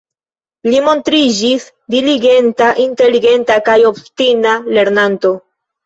Li montriĝis diligenta, inteligenta kaj obstina lernanto.